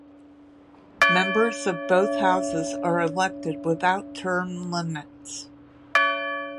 Members of both houses are elected without term limits.